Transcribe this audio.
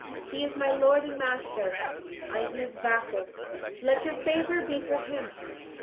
He is my lord and master; I am his vassal. Let your favour be for him.